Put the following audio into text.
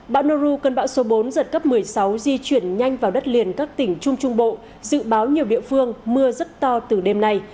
bão noru cơn bão số bốn giật cấp một mươi sáu di chuyển nhanh vào đất liền các tỉnh trung trung bộ dự báo nhiều địa phương mưa rất to từ đêm nay